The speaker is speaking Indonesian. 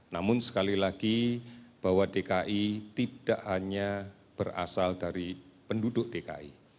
namun sekali lagi bahwa dki tidak hanya berasal dari penduduk dki